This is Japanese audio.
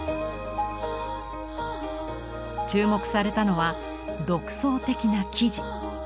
注目されたのは独創的な生地。